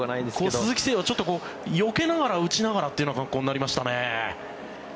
鈴木誠也がちょっとよけながら打ちながらという格好になりましたね。